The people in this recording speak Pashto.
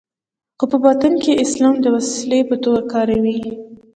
خو په باطن کې اسلام د وسیلې په توګه کاروي.